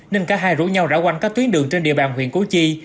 nên cả hai rủ nhau rão quanh các tuyến đường trên địa bàn huyện củ chi